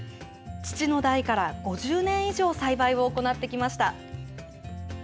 父の代から５０年以上栽培を行ってきました。